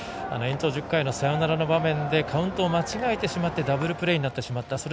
延長１０回のサヨナラの場面でカウントを間違えてしまってダブルプレーになってしまった。